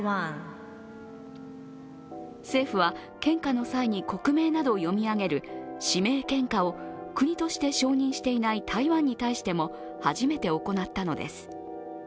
政府は献花の際に国名などを読み上げる指名献花を、国として承認していない台湾に対しても初めて行ったのです。